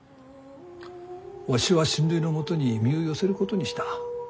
わしは親類のもとに身を寄せることにした。